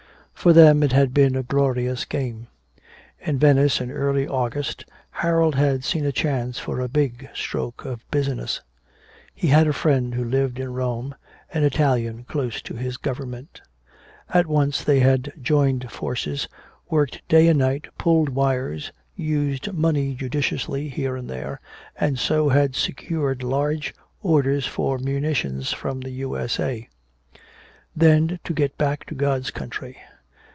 For them it had been a glorious game. In Venice in early August, Harold had seen a chance for a big stroke of business. He had a friend who lived in Rome, an Italian close to his government. At once they had joined forces, worked day and night, pulled wires, used money judiciously here and there, and so had secured large orders for munitions from the U.S.A. Then to get back to God's country!